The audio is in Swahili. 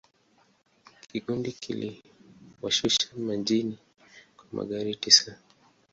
Kikundi kiliwashusha mjini kwa magari tisa.